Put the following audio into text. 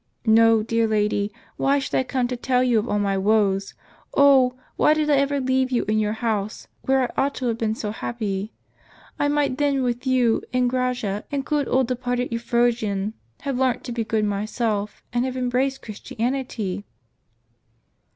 " No, dear lady, why should I come to tell you of all my woes ? Oh ! why did I ever leave you and your house, where 1 ought to have been so happy ? I might then wdth you, and Graja, and good old departed Euphrosyne, have learnt to be good myself, and have embraced Christianity